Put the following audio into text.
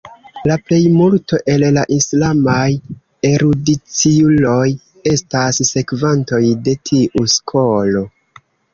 La plejmulto el la islamaj erudiciuloj estas sekvantoj de tiu skolo.